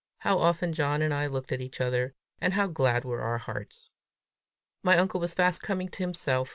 How often John and I looked at each other, and how glad were our hearts! My uncle was fast coming to himself!